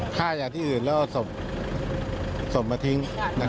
ฆ่าอย่างที่อื่นแล้วเอาสมสมไปทิ้ง